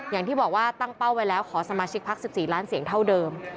อย่างที่บอกว่าตั้งเป้าไว้แล้วขอสมาชิกพัก๑๔ล้านเสียงเท่าเดิม